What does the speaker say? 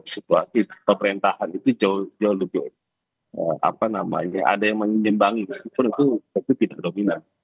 sebuah pemerintahan itu jauh lebih apa namanya ada yang menyembangi meskipun itu tidak dominan